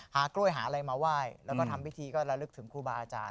กล้วยหาอะไรมาไหว้แล้วก็ทำพิธีก็ระลึกถึงครูบาอาจารย์